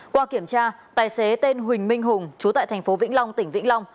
qua kiểm tra tài xế tên huỳnh minh hùng chú tại thành phố vĩnh long tỉnh vĩnh long